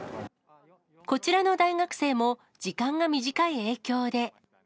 こちらの大学生も、時間が短い影響で。